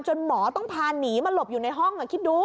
หมอต้องพาหนีมาหลบอยู่ในห้องคิดดู